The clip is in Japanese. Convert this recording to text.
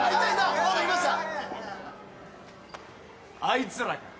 あいつらか？